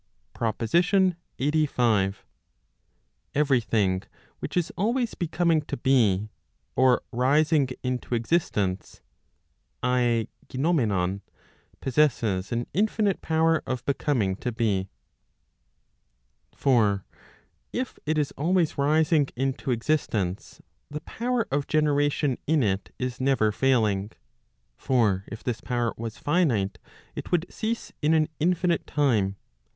PROPOSITION LXXXV. Every thing which is always becoming to be, or rising into existence, {aei yivopevov) possesses an infinite power of becoming to be. For if it is always rising into existence, the power of generation in it is never failing. For if this power was finite, it would cease in an infinite time.